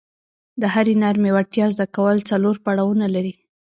د هرې نرمې وړتیا زده کول څلور پړاونه لري.